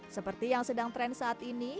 seperti yang sedang tren saat ini